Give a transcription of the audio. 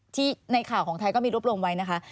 ในข่าวของไทยก็มีรวบรวมไว้นะคะ